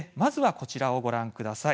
こちらをご覧ください。